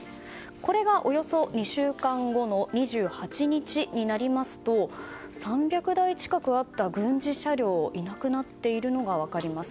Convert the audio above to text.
これが、およそ２週間後の２８日になりますと３００台近くあった軍事車両がいなくなっているのが分かります。